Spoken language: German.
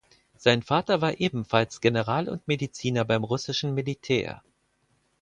Sein Vater war ebenfalls General und Mediziner beim russischen Militär.